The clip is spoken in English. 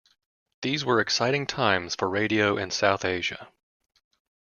These were exciting times for radio in South Asia.